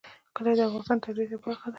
کلي د افغانستان د طبیعت یوه برخه ده.